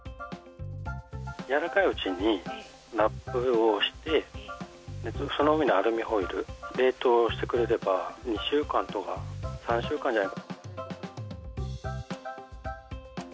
やわらかいうちにラップをしてその上にアルミホイル冷凍をしてくれれば２週間とか、３週間ぐらいは。